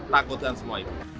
takutkan semua itu